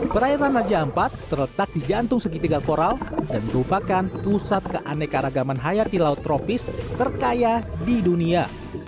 perairan raja ampat terletak di jantung segitiga koral dan merupakan pusat keanekaragaman hayat di laut tropis terkaya di dunia